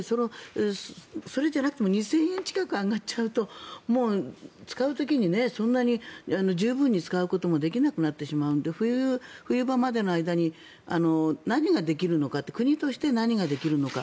それじゃなくても２０００円近く上がっちゃうと使う時にそんなに十分に使うこともできなくなってしまうので冬場までの間に何ができるのかって国として何ができるのか。